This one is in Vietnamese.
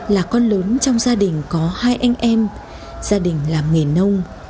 là con lớn trong gia đình có hai anh em gia đình là người nông